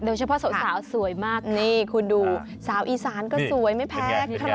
โดยเฉพาะสาวสวยมากนี่คุณดูสาวอีสานก็สวยไม่แพ้ใคร